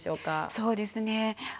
そうですね。